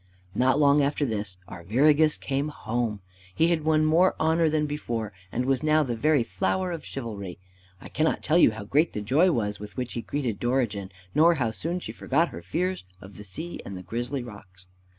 Not long after this, Arviragus came home. He had won more honor than before, and was now the very flower of chivalry. I cannot tell you how great the joy was, with which he greeted Dorigen, nor how soon she forgot her fears of the sea and the grisly rocks.